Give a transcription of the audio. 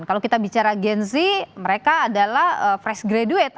kalau kita bicara gen z mereka adalah fresh graduate